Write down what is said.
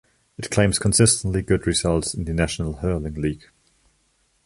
It claims consistently good results in the National Hurling League.